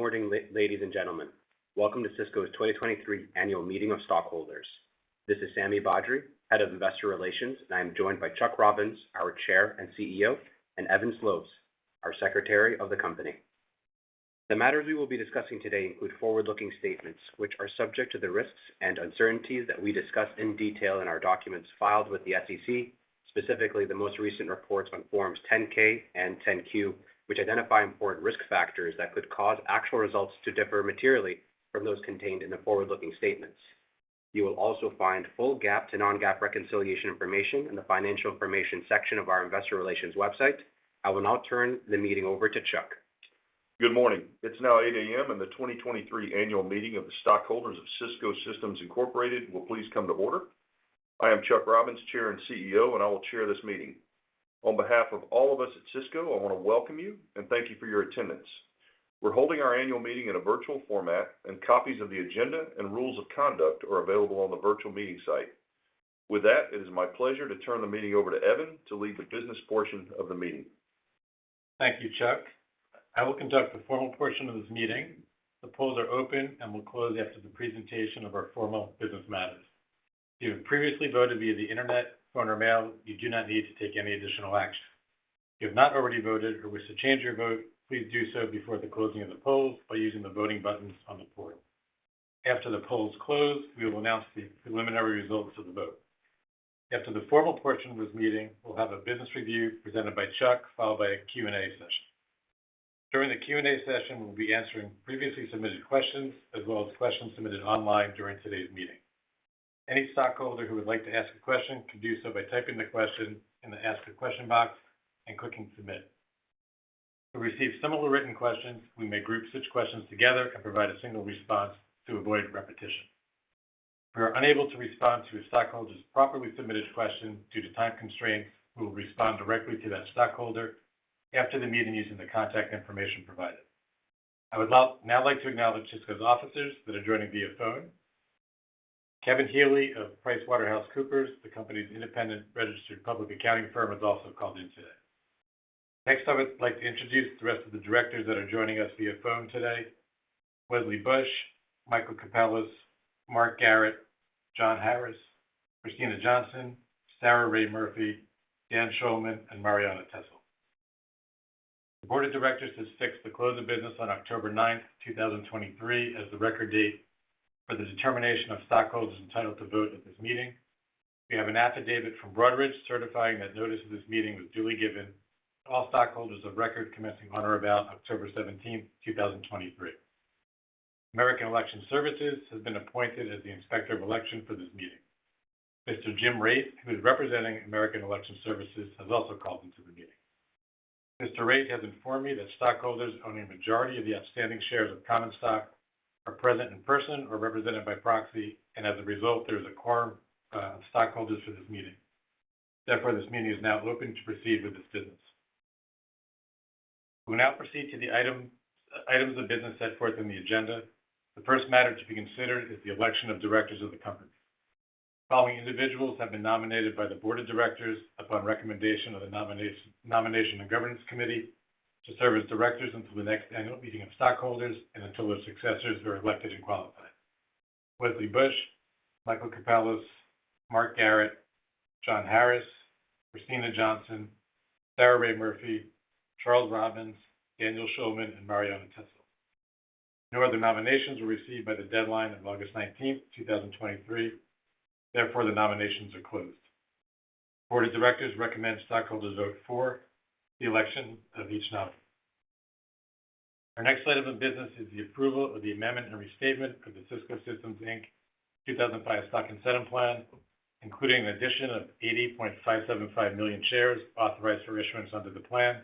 Good morning, ladies and gentlemen. Welcome to Cisco's 2023 Annual Meeting of Stockholders. This is Sami Badri, head of Investor Relations, and I'm joined by Chuck Robbins, our Chair and CEO, and Evan Sloves, our Secretary of the company. The matters we will be discussing today include forward-looking statements, which are subject to the risks and uncertainties that we discuss in detail in our documents filed with the SEC, specifically the most recent reports on Forms 10-K and 10-Q, which identify important risk factors that could cause actual results to differ materially from those contained in the forward-looking statements. You will also find full GAAP to non-GAAP reconciliation information in the Financial Information section of our Investor Relations website. I will now turn the meeting over to Chuck. Good morning. It's now 8:00 A.M., and the 2023 Annual Meeting of the Stockholders of Cisco Systems, Incorporated will please come to order. I am Chuck Robbins, Chair and CEO, and I will chair this meeting. On behalf of all of us at Cisco, I wanna welcome you and thank you for your attendance. We're holding our annual meeting in a virtual format, and copies of the agenda and rules of conduct are available on the virtual meeting site. With that, it is my pleasure to turn the meeting over to Evan to lead the business portion of the meeting. Thank you, Chuck. I will conduct the formal portion of this meeting. The polls are open and will close after the presentation of our formal business matters. If you have previously voted via the internet, phone, or mail, you do not need to take any additional action. If you have not already voted or wish to change your vote, please do so before the closing of the polls by using the voting buttons on the portal. After the polls close, we will announce the preliminary results of the vote. After the formal portion of this meeting, we'll have a business review presented by Chuck, followed by a Q&A session. During the Q&A session, we'll be answering previously submitted questions as well as questions submitted online during today's meeting. Any stockholder who would like to ask a question can do so by typing the question in the Ask a Question box and clicking Submit. If we receive similar written questions, we may group such questions together and provide a single response to avoid repetition. If we are unable to respond to a stockholder's properly submitted question due to time constraints, we will respond directly to that stockholder after the meeting using the contact information provided. I would now like to acknowledge Cisco's officers that are joining via phone. Kevin Healy of PricewaterhouseCoopers, the company's independent registered public accounting firm, has also called in today. Next, I would like to introduce the rest of the directors that are joining us via phone today: Wesley Bush, Michael Capellas, Mark Garrett, John Harris, Kristina Johnson, Sarah Rae Murphy, Dan Schulman, and Marianna Tessel. The board of directors has fixed the close of business on October ninth, 2023, as the record date for the determination of stockholders entitled to vote at this meeting. We have an affidavit from Broadridge certifying that notice of this meeting was duly given to all stockholders of record commencing on or about October 17th, 2023. American Election Services has been appointed as the Inspector of Election for this meeting. Mr. Jim Raitt, who is representing American Election Services, has also called into the meeting. Mr. Rait has informed me that stockholders owning a majority of the outstanding shares of common stock are present in person or represented by proxy, and as a result, there is a quorum of stockholders for this meeting. Therefore, this meeting is now open to proceed with its business. We now proceed to the items of business set forth in the agenda. The first matter to be considered is the election of directors of the company. The following individuals have been nominated by the board of directors upon recommendation of the Nominating and Governance Committee to serve as directors until the next annual meeting of stockholders and until their successors are elected and qualified: Wesley Bush, Michael Capellas, Mark Garrett, John Harris, Kristina Johnson, Sarah Rae Murphy, Charles Robbins, Daniel Schulman, and Marianna Tessel. No other nominations were received by the deadline of August nineteenth, two thousand twenty-three. Therefore, the nominations are closed. The board of directors recommends stockholders vote for the election of each nominee. Our next item of business is the approval of the amendment and restatement of the Cisco Systems, Inc. 2005 Stock Incentive Plan, including an addition of 80.575 million shares authorized for issuance under the plan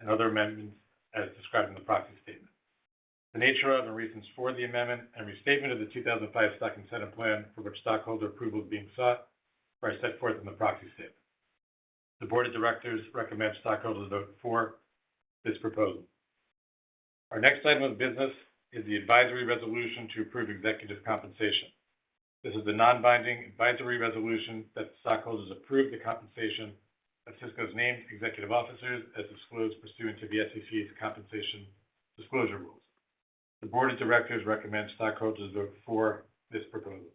and other amendments as described in the proxy statement. The nature of and reasons for the amendment and restatement of the 2005 Stock Incentive Plan for which stockholder approval is being sought are set forth in the proxy statement. The board of directors recommends stockholders vote for this proposal. Our next item of business is the advisory resolution to approve executive compensation. This is a non-binding advisory resolution that stockholders approve the compensation of Cisco's named executive officers as disclosed pursuant to the SEC's compensation disclosure rules. The board of directors recommends stockholders vote for this proposal.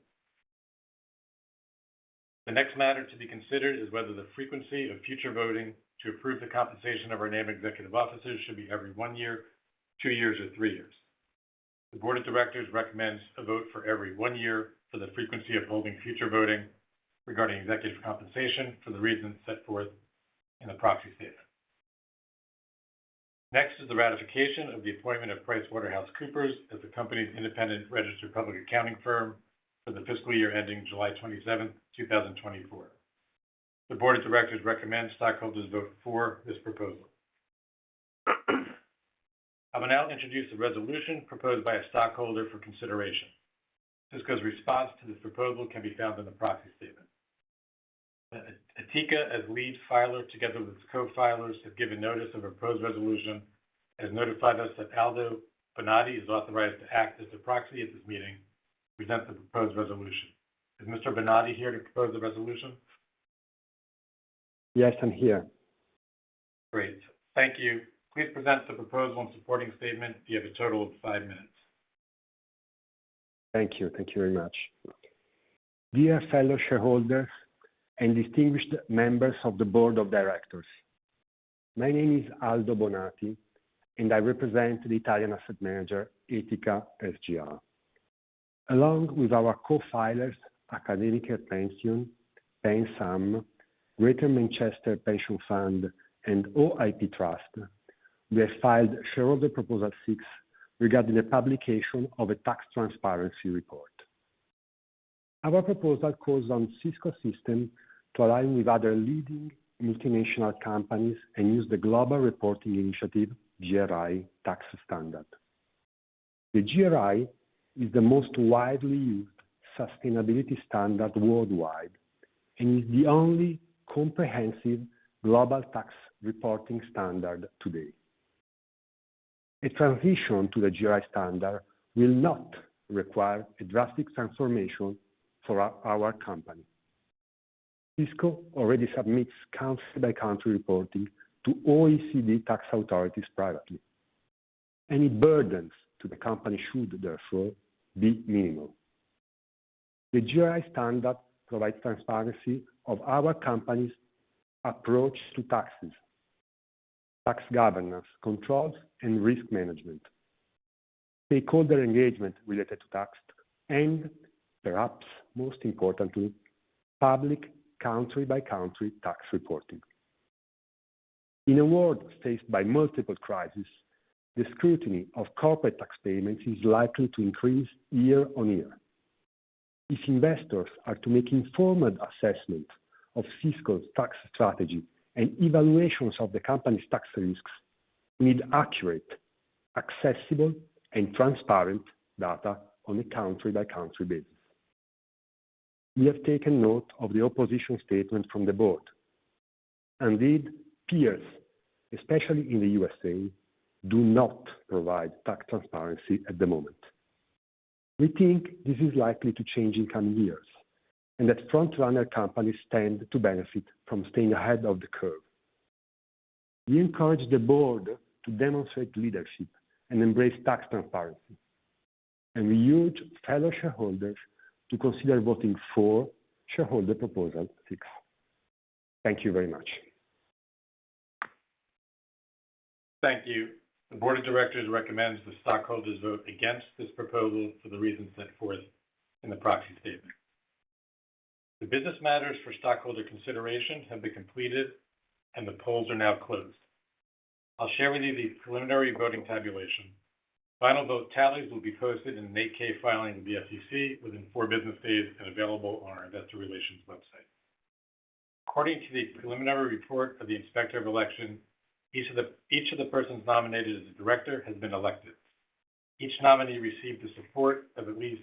The next matter to be considered is whether the frequency of future voting to approve the compensation of our named executive officers should be every one year, two years, or three years. The board of directors recommends a vote for every one year for the frequency of holding future voting regarding executive compensation for the reasons set forth in the proxy statement. Next is the ratification of the appointment of PricewaterhouseCoopers as the company's independent registered public accounting firm for the fiscal year ending July 27, 2024. The board of directors recommends stockholders vote for this proposal. I will now introduce a resolution proposed by a stockholder for consideration. Cisco's response to this proposal can be found in the proxy statement. Etica, as lead filer, together with its co-filers, have given notice of a proposed resolution, has notified us that Aldo Bonati is authorized to act as a proxy at this meeting to present the proposed resolution. Is Mr. Bonati here to propose the resolution?... Yes, I'm here. Great. Thank you. Please present the proposal and supporting statement. You have a total of five minutes. Thank you. Thank you very much. Dear fellow shareholders and distinguished members of the board of directors, my name is Aldo Bonati, and I represent the Italian asset manager, Etica SGR. Along with our co-filers, AkademikerPension, PenSam, Greater Manchester Pension Fund, and OIP Trust, we have filed shareholder Proposal 6, regarding the publication of a tax transparency report. Our proposal calls on Cisco Systems to align with other leading multinational companies and use the Global Reporting Initiative, GRI, tax standard. The GRI is the most widely used sustainability standard worldwide and is the only comprehensive global tax reporting standard today. A transition to the GRI standard will not require a drastic transformation for our company. Cisco already submits country-by-country reporting to OECD tax authorities privately. Any burdens to the company should, therefore, be minimal. The GRI standard provides transparency of our company's approach to taxes, tax governance, controls, and risk management, stakeholder engagement related to tax, and perhaps most importantly, public country-by-country tax reporting. In a world faced by multiple crises, the scrutiny of corporate tax payments is likely to increase year-over-year. If investors are to make informed assessments of Cisco's tax strategy and evaluations of the company's tax risks, we need accurate, accessible, and transparent data on a country-by-country basis. We have taken note of the opposition statement from the board. Indeed, peers, especially in the USA, do not provide tax transparency at the moment. We think this is likely to change in coming years, and that front-runner companies stand to benefit from staying ahead of the curve. We encourage the board to demonstrate leadership and embrace tax transparency, and we urge fellow shareholders to consider voting for Shareholder Proposal 6. Thank you very much. Thank you. The board of directors recommends the stockholders vote against this proposal for the reasons set forth in the proxy statement. The business matters for stockholder consideration have been completed, and the polls are now closed. I'll share with you the preliminary voting tabulation. Final vote tallies will be posted in an 8-K filing with the SEC within four business days and available on our investor relations website. According to the preliminary report of the Inspector of Election, each of the persons nominated as a director has been elected. Each nominee received the support of at least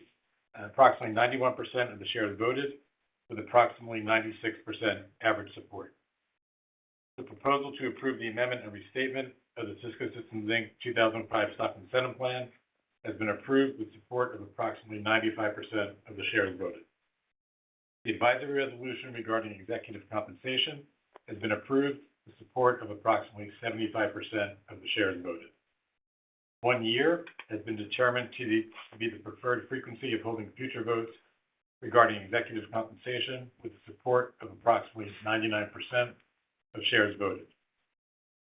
approximately 91% of the shares voted, with approximately 96% average support. The proposal to approve the amendment and restatement of the Cisco Systems, Inc. 2005 Stock Incentive Plan has been approved with support of approximately 95% of the shares voted. The advisory resolution regarding executive compensation has been approved with support of approximately 75% of the shares voted. One year has been determined to be the preferred frequency of holding future votes regarding executive compensation, with the support of approximately 99% of shares voted.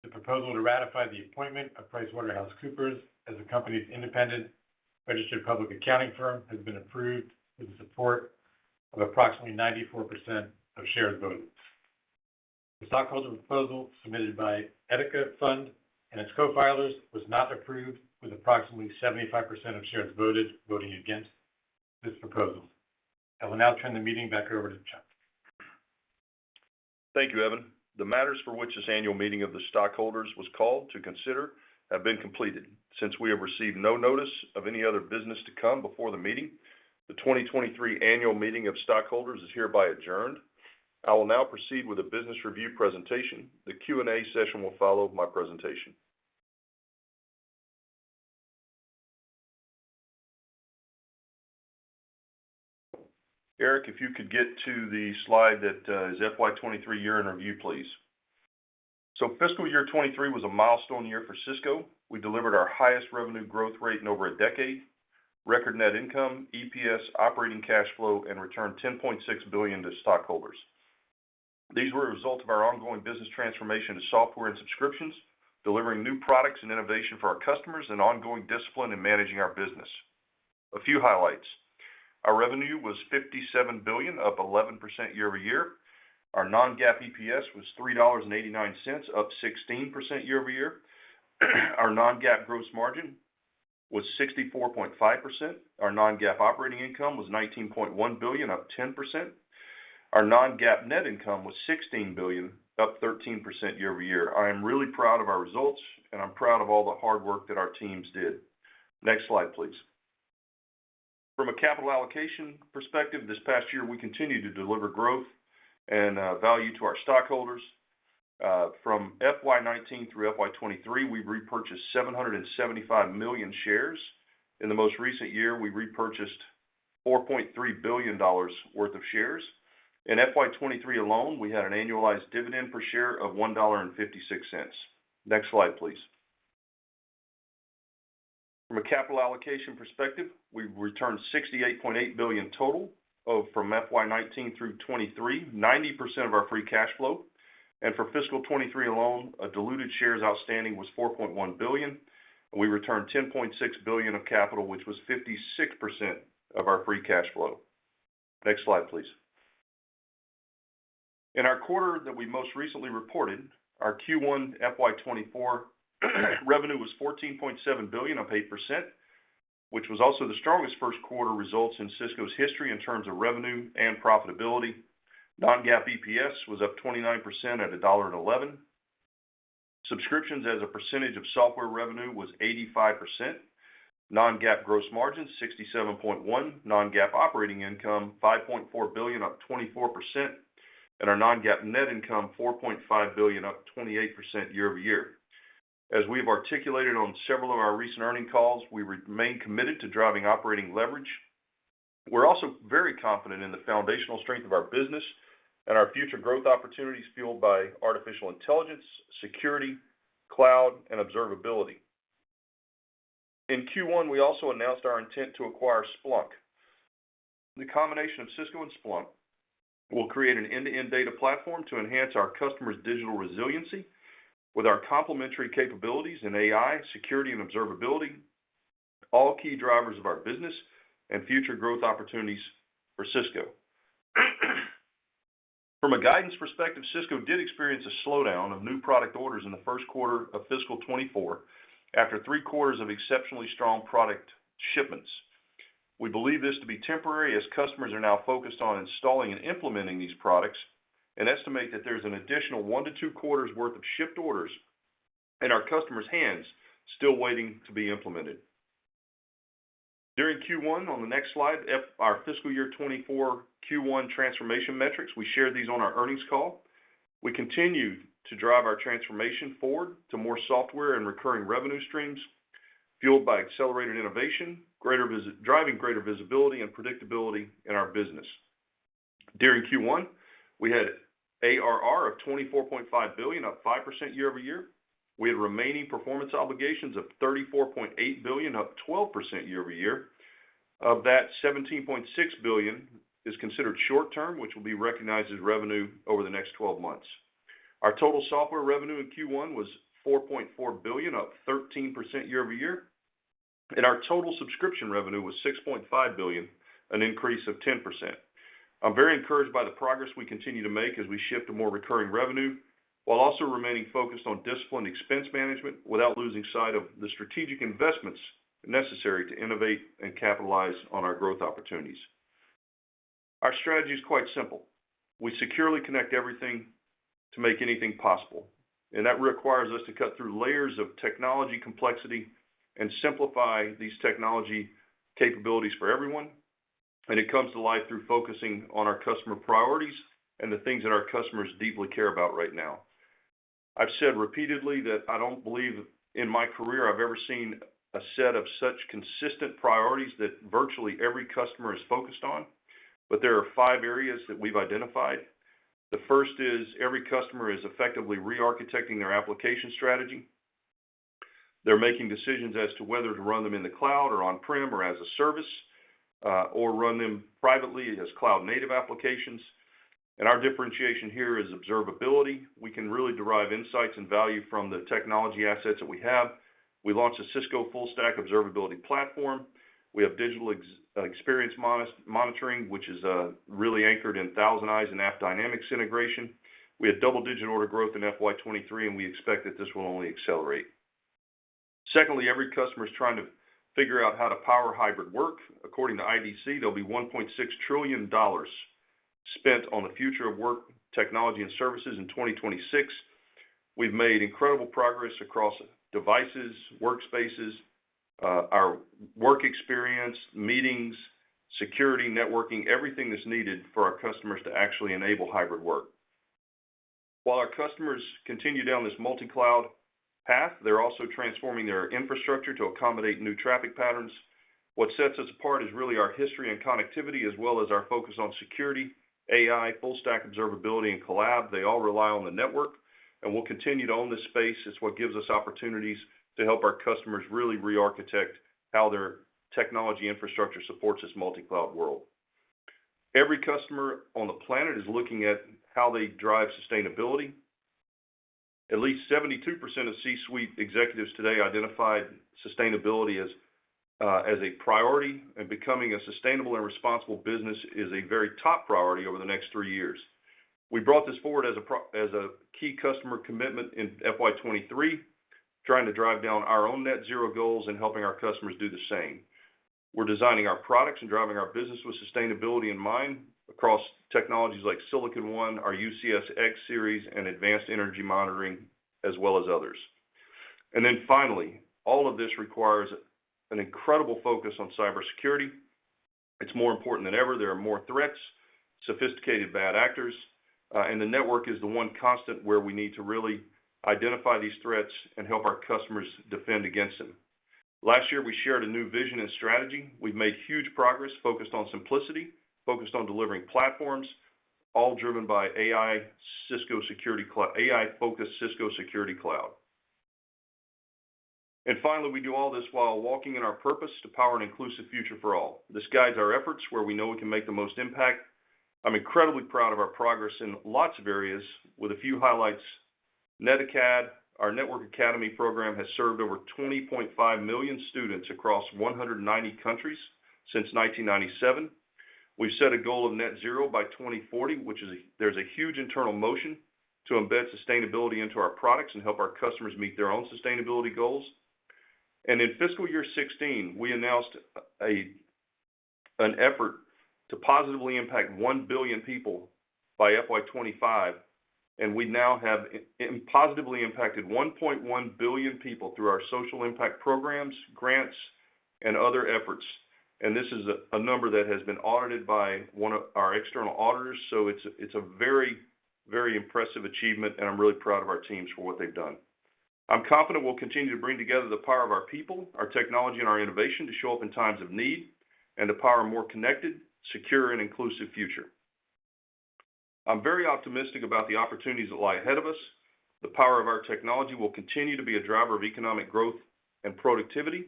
The proposal to ratify the appointment of PricewaterhouseCoopers as the company's independent registered public accounting firm has been approved with the support of approximately 94% of shares voted. The stockholder proposal submitted by Etica SGR and its co-filers was not approved, with approximately 75% of shares voted, voting against this proposal. I will now turn the meeting back over to Chuck. Thank you, Evan. The matters for which this annual meeting of the stockholders was called to consider have been completed. Since we have received no notice of any other business to come before the meeting, the 2023 annual meeting of stockholders is hereby adjourned. I will now proceed with a business review presentation. The Q&A session will follow my presentation. Eric, if you could get to the slide that is FY 2023 year in review, please. So fiscal year 2023 was a milestone year for Cisco. We delivered our highest revenue growth rate in over a decade, record net income, EPS, operating cash flow, and returned $10.6 billion to stockholders. These were a result of our ongoing business transformation to software and subscriptions, delivering new products and innovation for our customers, and ongoing discipline in managing our business. A few highlights. Our revenue was $57 billion, up 11% year-over-year. Our non-GAAP EPS was $3.89, up 16% year-over-year. Our non-GAAP gross margin was 64.5%. Our non-GAAP operating income was $19.1 billion, up 10%. Our non-GAAP net income was $16 billion, up 13% year-over-year. I am really proud of our results, and I'm proud of all the hard work that our teams did. Next slide, please. From a capital allocation perspective, this past year, we continued to deliver growth and value to our stockholders. From FY 2019 through FY 2023, we've repurchased 775 million shares. In the most recent year, we repurchased $4.3 billion worth of shares. In FY 2023 alone, we had an annualized dividend per share of $1.56. Next slide, please. From a capital allocation perspective, we've returned $68.8 billion total of from FY19 through 2023, 90% of our free cash flow. For fiscal 2023 alone, a diluted shares outstanding was 4.1 billion, and we returned $10.6 billion of capital, which was 56% of our free cash flow. Next slide, please. In our quarter that we most recently reported, our Q1 FY24, revenue was $14.7 billion, up 8%, which was also the strongest first quarter results in Cisco's history in terms of revenue and profitability. Non-GAAP EPS was up 29% at $1.11. Subscriptions as a percentage of software revenue was 85%. Non-GAAP gross margin, 67.1. Non-GAAP operating income, $5.4 billion, up 24%. Our non-GAAP net income, $4.5 billion, up 28% year-over-year. As we have articulated on several of our recent earnings calls, we remain committed to driving operating leverage. We're also very confident in the foundational strength of our business and our future growth opportunities, fueled by artificial intelligence, security, cloud, and observability. In Q1, we also announced our intent to acquire Splunk. The combination of Cisco and Splunk will create an end-to-end data platform to enhance our customers' digital resiliency with our complementary capabilities in AI, security, and observability, all key drivers of our business and future growth opportunities for Cisco. From a guidance perspective, Cisco did experience a slowdown of new product orders in the first quarter of fiscal 2024, after three quarters of exceptionally strong product shipments. We believe this to be temporary, as customers are now focused on installing and implementing these products, and estimate that there's an additional 1-2 quarters worth of shipped orders in our customers' hands still waiting to be implemented. During Q1, on the next slide, our fiscal year 2024 Q1 transformation metrics, we shared these on our earnings call. We continued to drive our transformation forward to more software and recurring revenue streams, fueled by accelerated innovation, greater visibility—driving greater visibility and predictability in our business. During Q1, we had ARR of $24.5 billion, up 5% year-over-year. We had remaining performance obligations of $34.8 billion, up 12% year-over-year. Of that, $17.6 billion is considered short term, which will be recognized as revenue over the next 12 months. Our total software revenue in Q1 was $4.4 billion, up 13% year-over-year, and our total subscription revenue was $6.5 billion, an increase of 10%. I'm very encouraged by the progress we continue to make as we shift to more recurring revenue, while also remaining focused on disciplined expense management without losing sight of the strategic investments necessary to innovate and capitalize on our growth opportunities. Our strategy is quite SIEMple: We securely connect everything to make anything possible, and that requires us to cut through layers of technology complexity and SIEMplify these technology capabilities for everyone. It comes to life through focusing on our customer priorities and the things that our customers deeply care about right now. I've said repeatedly that I don't believe in my career I've ever seen a set of such consistent priorities that virtually every customer is focused on, but there are five areas that we've identified. The first is every customer is effectively re-architecting their application strategy. They're making decisions as to whether to run them in the cloud or on-prem or as a service, or run them privately as cloud-native applications. And our differentiation here is observability. We can really derive insights and value from the technology assets that we have. We launched a Cisco Full-Stack Observability Platform. We have digital experience monitoring, which is really anchored in ThousandEyes and AppDynamics integration. We had double-digit order growth in FY 23, and we expect that this will only accelerate. Secondly, every customer is trying to figure out how to power hybrid work. According to IDC, there'll be $1.6 trillion spent on the future of work, technology, and services in 2026. We've made incredible progress across devices, workspaces, our work experience, meetings, security, networking, everything that's needed for our customers to actually enable hybrid work. While our customers continue down this multi-cloud path, they're also transforming their infrastructure to accommodate new traffic patterns. What sets us apart is really our history and connectivity, as well as our focus on security, AI, full-stack observability, and collab. They all rely on the network, and we'll continue to own this space. It's what gives us opportunities to help our customers really re-architect how their technology infrastructure supports this multi-cloud world. Every customer on the planet is looking at how they drive sustainability. At least 72% of C-suite executives today identified sustainability as a priority, and becoming a sustainable and responsible business is a very top priority over the next three years. We brought this forward as a key customer commitment in FY 2023, trying to drive down our own net zero goals and helping our customers do the same. We're designing our products and driving our business with sustainability in mind across technologies like Silicon One, our UCS X-Series, and advanced energy monitoring, as well as others. Then finally, all of this requires an incredible focus on cybersecurity. It's more important than ever. There are more threats, sophisticated bad actors, and the network is the one constant where we need to really identify these threats and help our customers defend against them. Last year, we shared a new vision and strategy. We've made huge progress, focused on SIEMplicity, focused on delivering platforms, all driven by AI, AI-focused Cisco Security Cloud. And finally, we do all this while walking in our purpose to power an inclusive future for all. This guides our efforts where we know we can make the most impact. I'm incredibly proud of our progress in lots of areas, with a few highlights. NetAcad, our Networking Academy program, has served over 20.5 million students across 190 countries since 1997. We've set a goal of net zero by 2040, which, there's a huge internal motion to embed sustainability into our products and help our customers meet their own sustainability goals. In fiscal year 16, we announced an effort to positively impact 1 billion people by FY 2025, and we now have positively impacted 1.1 billion people through our social impact programs, grants, and other efforts. This is a number that has been audited by one of our external auditors, so it's a very, very impressive achievement, and I'm really proud of our teams for what they've done. I'm confident we'll continue to bring together the power of our people, our technology, and our innovation to show up in times of need, and to power a more connected, secure, and inclusive future. I'm very optimistic about the opportunities that lie ahead of us. The power of our technology will continue to be a driver of economic growth and productivity,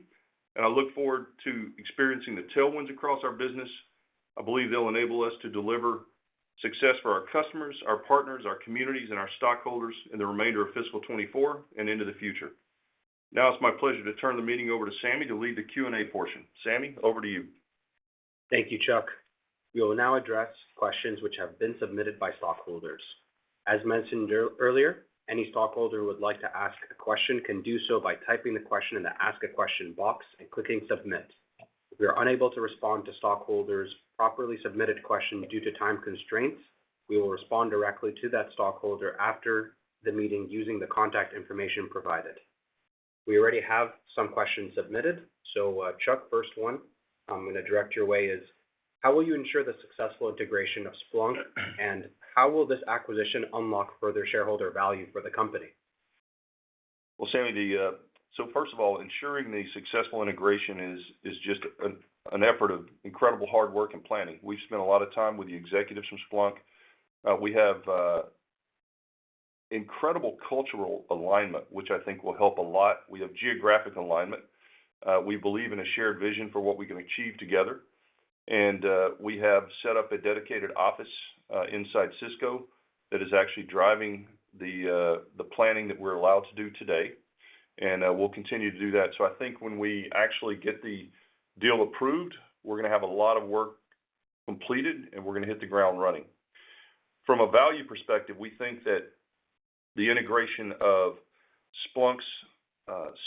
and I look forward to experiencing the tailwinds across our business. I believe they'll enable us to deliver success for our customers, our partners, our communities, and our stockholders in the remainder of fiscal 2024 and into the future. Now it's my pleasure to turn the meeting over to Sami to lead the Q&A portion. Sami, over to you. Thank you, Chuck. We will now address questions which have been submitted by stockholders. As mentioned earlier, any stockholder who would like to ask a question can do so by typing the question in the Ask a Question box and clicking Submit. If we are unable to respond to stockholders' properly submitted questions due to time constraints, we will respond directly to that stockholder after the meeting using the contact information provided. We already have some questions submitted, so, Chuck, first one I'm gonna direct your way is: how will you ensure the successful integration of Splunk, and how will this acquisition unlock further shareholder value for the company? Well, Sami. So first of all, ensuring the successful integration is just an effort of incredible hard work and planning. We've spent a lot of time with the executives from Splunk. We have incredible cultural alignment, which I think will help a lot. We have geographic alignment. We believe in a shared vision for what we can achieve together, and we have set up a dedicated office inside Cisco that is actually driving the planning that we're allowed to do today, and we'll continue to do that. So I think when we actually get the deal approved, we're gonna have a lot of work completed, and we're gonna hit the ground running. From a value perspective, we think that the integration of Splunk's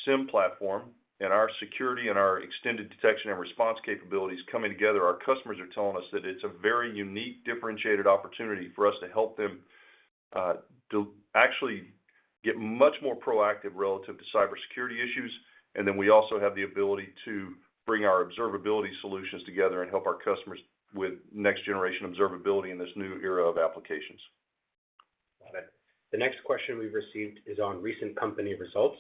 SIEM platform and our security and our extended detection and response capabilities coming together, our customers are telling us that it's a very unique, differentiated opportunity for us to help them to actually get much more proactive relative to cybersecurity issues. And then we also have the ability to bring our observability solutions together and help our customers with next-generation observability in this new era of applications. Got it. The next question we've received is on recent company results,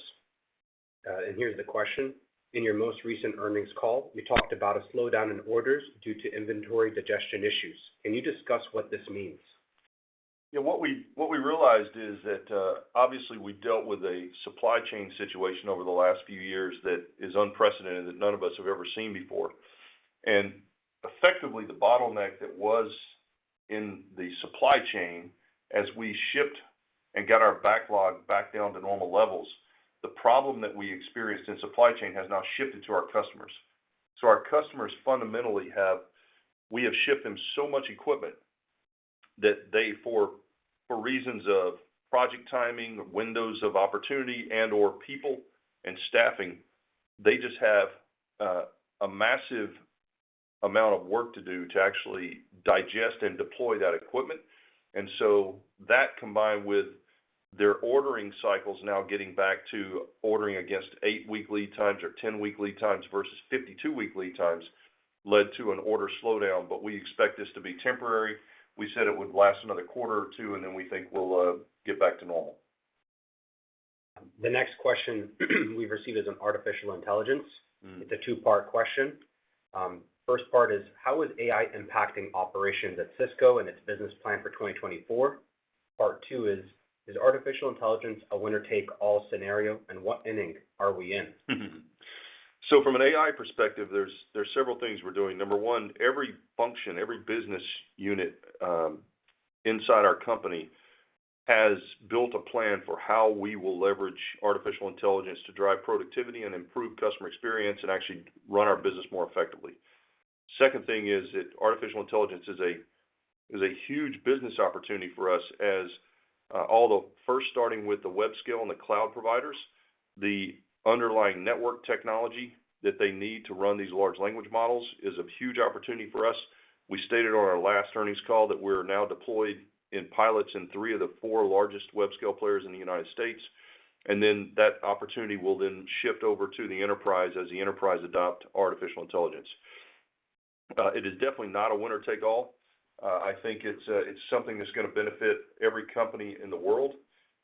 and here's the question: in your most recent earnings call, you talked about a slowdown in orders due to inventory digestion issues. Can you discuss what this means? Yeah, what we realized is that, obviously, we dealt with a supply chain situation over the last few years that is unprecedented, that none of us have ever seen before. Effectively, the bottleneck that was in the supply chain as we shipped and got our backlog back down to normal levels, the problem that we experienced in supply chain has now shifted to our customers. Our customers fundamentally have—we have shipped them so much equipment that they, for reasons of project timing, windows of opportunity, and/or people and staffing, they just have a massive amount of work to do to actually digest and deploy that equipment. And so that, combined with their ordering cycles now getting back to ordering against 8-week lead times or 10-week lead times versus 52-week lead times, led to an order slowdown, but we expect this to be temporary. We said it would last another quarter or two, and then we think we'll get back to normal. The next question we've received is on artificial intelligence. Mm. It's a two-part question. First part is: how is AI impacting operations at Cisco and its business plan for 2024? Part two is: is artificial intelligence a winner-take-all scenario, and what inning are we in? So from an AI perspective, there's several things we're doing. Number 1, every function, every business unit inside our company has built a plan for how we will leverage artificial intelligence to drive productivity and improve customer experience and actually run our business more effectively. Second thing is that artificial intelligence is a huge business opportunity for us as all the first starting with the web scale and the cloud providers, the underlying network technology that they need to run these large language models is a huge opportunity for us. We stated on our last earnings call that we're now deployed in pilots in 3 of the 4 largest web scale players in the United States, and then that opportunity will then shift over to the enterprise as the enterprise adopt artificial intelligence. It is definitely not a winner-take-all. I think it's something that's gonna benefit every company in the world.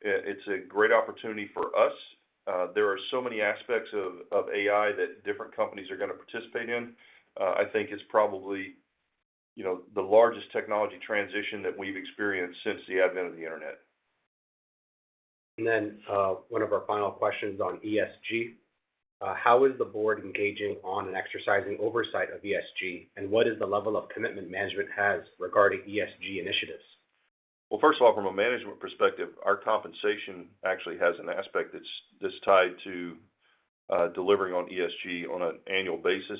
It's a great opportunity for us. There are so many aspects of AI that different companies are gonna participate in. I think it's probably, you know, the largest technology transition that we've experienced since the advent of the Internet. And then, one of our final questions on ESG. How is the board engaging on and exercising oversight of ESG, and what is the level of commitment management has regarding ESG initiatives? Well, first of all, from a management perspective, our compensation actually has an aspect that's, that's tied to delivering on ESG on an annual basis.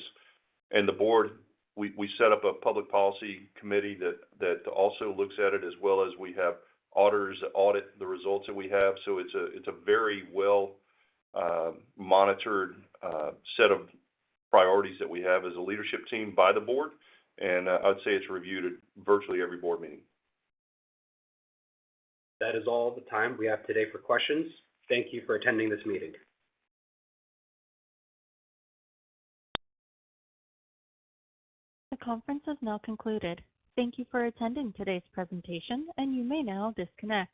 And the board, we, we set up a public policy committee that, that also looks at it, as well as we have auditors that audit the results that we have. So it's a, it's a very well monitored set of priorities that we have as a leadership team by the board, and I'd say it's reviewed at virtually every board meeting. That is all the time we have today for questions. Thank you for attending this meeting. The conference is now concluded. Thank you for attending today's presentation, and you may now disconnect.